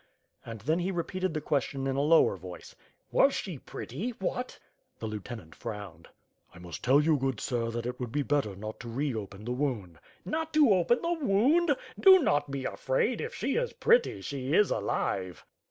And then he repeated the question in a lower voice: *'Was she pretty? What?" The li?eutenant frowned. "I must tell you, good sir, that it will be better not to re open the wound/' ' "Not to open the wound? Do not be afraid! If she is pretty she is alive."